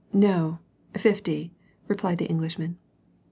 " No, fifty," replied the Englishman.